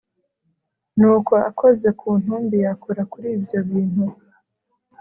n uko akoze ku ntumbi yakora kuri ibyo bintu